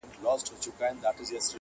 بس یو امید دی لا راته پاته -